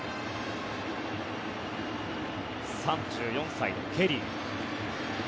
３４歳のケリー。